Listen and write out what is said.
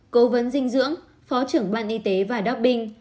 cố vấn dinh dưỡng phó trưởng ban y tế và dow binh